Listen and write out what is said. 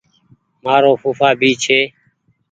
مآرو ڦوڦآ بي ڇي۔